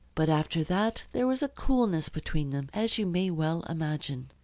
But after that there was a coolness between them, as you may well imagine.